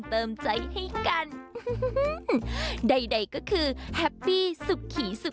เป็นเด็กดีนะ